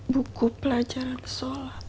buku pelajaran sholat